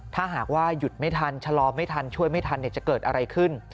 ถ้าหากว่าหยุดไม่ทันชะลอไม่ทันช่วยไม่ทันจะเกิดอะไรขึ้น